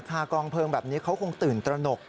กองเพลิงแบบนี้เขาคงตื่นตระหนก